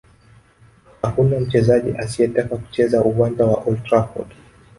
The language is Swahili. Hakuna mchezaji asiyetaka kucheza uwanja wa Old Trafford